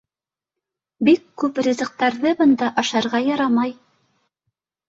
Бик күп ризыҡтарҙы бында ашарға ярамай.